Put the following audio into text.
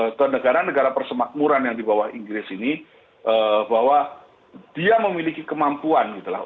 kita lihat bahwa negara negara persemakmuran yang di bawah inggris ini bahwa dia memiliki kemampuan gitu lah